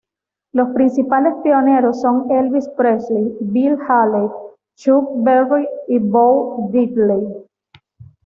Los principales pioneros son Elvis Presley, Bill Haley, Chuck Berry y Bo Diddley.